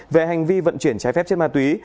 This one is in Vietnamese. về hành vi vận chuyển trái phép trên bà tùy